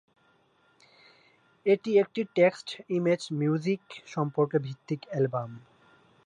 এটি একটি টেক্সট-ইমেজ-মিউজিক সম্পর্ক ভিত্তিক অ্যালবাম।